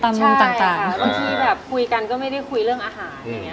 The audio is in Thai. มุมต่างแล้วบางทีแบบคุยกันก็ไม่ได้คุยเรื่องอาหารอย่างนี้